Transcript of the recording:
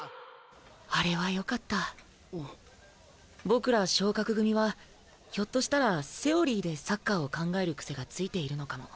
僕ら昇格組はひょっとしたらセオリーでサッカーを考える癖がついているのかも。